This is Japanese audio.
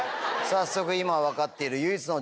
早速今分かっている。